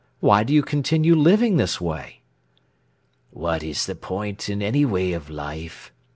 Why do you continue living this way?" "What is the point in any way of life?